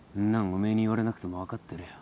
おめえに言われなくても分かってるよ。